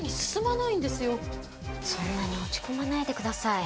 そんなに落ち込まないでください。